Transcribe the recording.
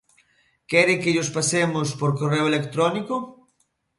¿Quere que llos pasemos por correo electrónico?